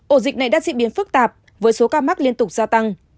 ổ dịch này đã diễn biến phức tạp với số ca mắc liên tục gia tăng